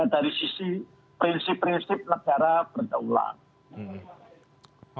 dari sisi prinsip prinsip negara berdaulat